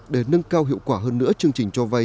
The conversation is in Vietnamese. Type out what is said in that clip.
để nâng cao hiệu quả hơn nữa chương trình cho vay